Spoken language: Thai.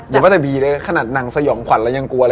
แม้ว่าแต่บีเลยขนาดนางสยองขวัญแล้วยังกลัวเลย